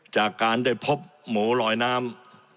จากการได้พบหมูลอยน้ำ